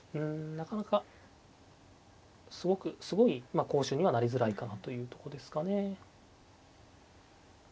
なかなかすごい好手にはなりづらいかなというとこですかね。